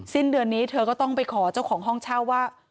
สิ้นเดือนนี้เธอก็ต้องไปขอเจ้าของห้องเช่าว่า